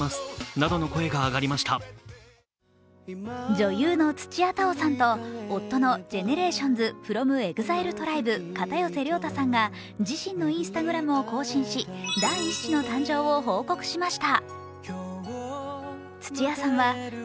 女優の土屋太鳳さんと夫のＧＥＮＥＲＡＴＩＯＮＳｆｒｏｍＥＸＩＬＥＴＲＩＢＥの片寄涼太さんが自身のＩｎｓｔａｇｒａｍを更新し、第１子の誕生を報告しました。